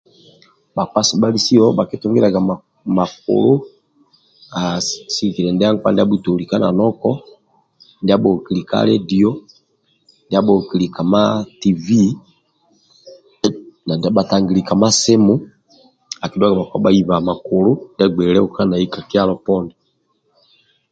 Bhakpa sabhalisiyo bhakitugiliaga makulu ha sigikilia ndia nkpa ndia abhutoli ka nanako ndia bhakoli ka aledio ndia bhakoli ka ma TV na ndia bhatangili bhatangili ka ma simu akidhuaga bhakpa bha iba makulu ndia agbei leukani ka kyalo poni